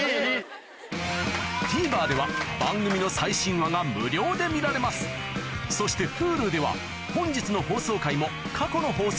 ＴＶｅｒでは番組の最新話が無料で見られますそしてＨｕｌｕでは本日の放送回も過去の放送回もいつでもどこでも見られます